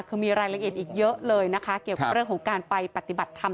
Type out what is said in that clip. คือมีรายละเอียดอีกเยอะเลยนะคะเกี่ยวกับเรื่องของการไปปฏิบัติธรรม